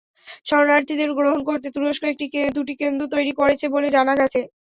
শরণার্থীদের গ্রহণ করতে তুরস্ক দুটি কেন্দ্র তৈরি করেছে বলে জানা গেছে।